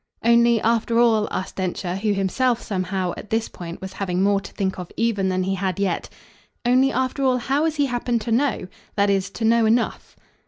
"Only, after all," asked Densher, who himself somehow, at this point, was having more to think of even than he had yet had "only, after all, how has he happened to know? That is, to know enough."